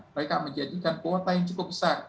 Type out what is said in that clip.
mereka menjadikan kuota yang cukup besar